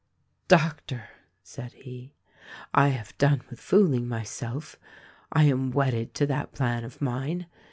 "Doctor," said he, "I have done with fooling myself. I am wedded to that plan of mine.